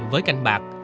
với canh bạc